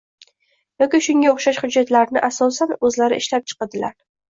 yoki shunga o‘xshash hujjatlarini asosan, o‘zlari ishlab chiqadilar